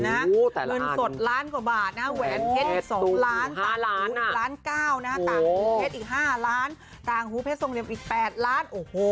เงินสดล้านกว่าบาทแหวนเพชร๒ล้านต่างหูเพชรสองเล็มอีก๘ล้าน